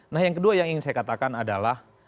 nah yang kedua yang ingin saya katakan adalah